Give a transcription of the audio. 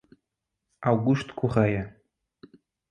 Augusto Corrêa